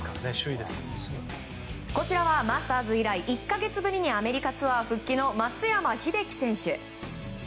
こちらはマスターズ以来１か月ぶりにアメリカツアー復帰の松山英樹選手。